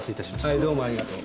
はいどうもありがとう。